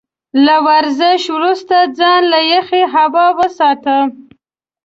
له ورزش وروسته ځان له يخې هوا وساتئ.